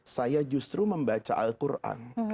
saya justru membaca al quran